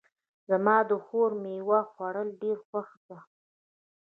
زما د خور میوه خوړل ډېر خوښ ده